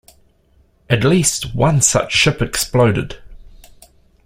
At least one such ship exploded.